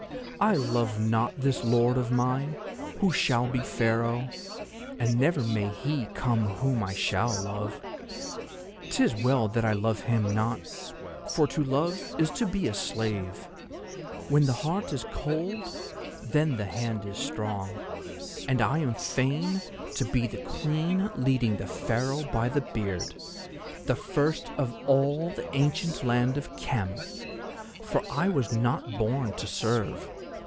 I love not this lord of mine, who shall be Pharaoh, and never may he come whom I shall love. 'Tis well that I love him not, for to love is to be a slave. When the heart is cold then the hand is strong, and I am fain to be the Queen leading Pharaoh by the beard, the first of all the ancient land of Khem; for I was not born to serve.